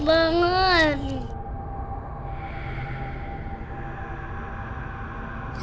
paketnya aku lagi